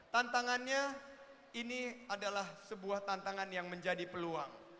tantangannya ini adalah sebuah tantangan yang menjadi peluang